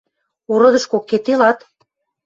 Ородышкок кеделат?